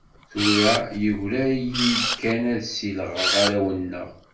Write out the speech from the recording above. Tura yegra-yi-d kan ad ssilɣeɣ arraw-nneɣ.